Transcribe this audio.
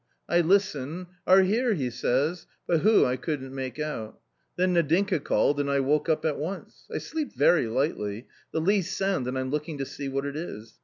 I listen, " are here," he says, but who I couldn't make out. Then Nadinka called and I woke up at once. I sleep very lightly; the least sound and I'm looking to see what it is.